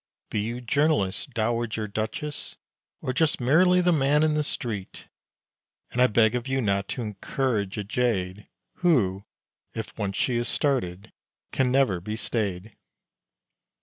Be you journalist, dowager duchess, Or just merely the Man in the Street. And I beg of you not to encourage a jade Who, if once she is started, can never be stayed.